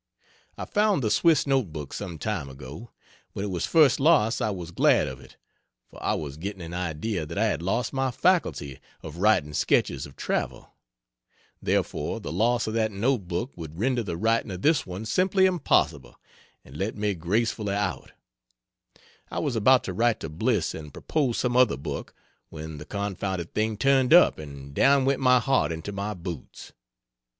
I found the Swiss note book, some time ago. When it was first lost I was glad of it, for I was getting an idea that I had lost my faculty of writing sketches of travel; therefore the loss of that note book would render the writing of this one simply impossible, and let me gracefully out; I was about to write to Bliss and propose some other book, when the confounded thing turned up, and down went my heart into my boots.